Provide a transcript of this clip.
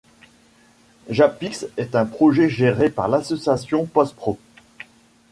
Jappix est un projet géré par l’association PostPro.